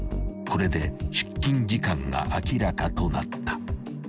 ［これで出勤時間が明らかとなった］